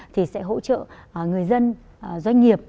thì sẽ hỗ trợ người dân doanh nghiệp